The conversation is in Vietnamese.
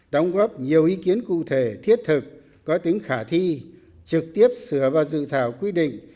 đóng góp nhiều ý kiến cụ thể thiết thực có tính khả thi trực tiếp sửa vào dự thảo quy định